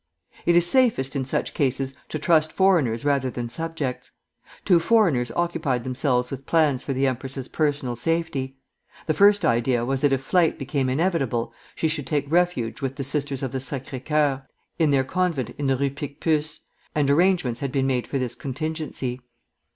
It is safest in such cases to trust foreigners rather than subjects. Two foreigners occupied themselves with plans for the empress's personal safety. The first idea was that if flight became inevitable, she should take refuge with the Sisters of the Sacré Cur, in their convent in the Rue Picpus; and arrangements had been made for this contingency.